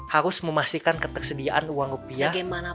harus memastikan ketersediaan uang rupiah